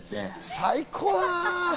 最高だな。